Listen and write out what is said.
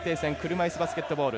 車いすバスケットボール。